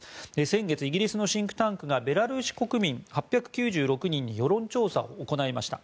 先月、イギリスのシンクタンクがベラルーシ国民８９６人に世論調査を行いました。